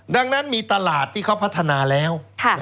ดังนั้นมีตลาดที่เขาพัฒนาแล้ว